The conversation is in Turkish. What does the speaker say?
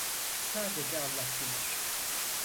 Sadece Allah bilir.